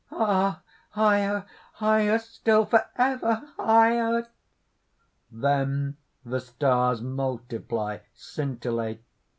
"Ah! higher! higher still! forever higher!" (_Then the stars multiply, scintillate.